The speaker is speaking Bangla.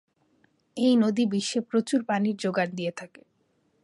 এই নদী বিশ্বে প্রচুর পানির যোগান দিয়ে থাকে।